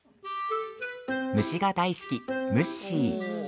虫が大好き、ムッシー。